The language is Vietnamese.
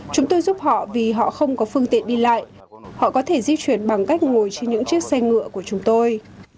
chúng tôi giúp họ vì họ không có phương tiện đi lại họ có thể di chuyển bằng cách ngồi trên những chiếc xe ngựa của chúng tôi